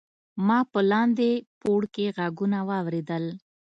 ما په لاندې پوړ کې غږونه واوریدل.